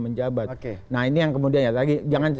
menjabat nah ini yang kemudian jangan